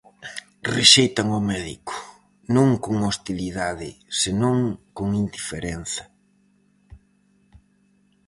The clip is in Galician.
Rexeitan ao médico, non con hostilidade, senón con indiferenza.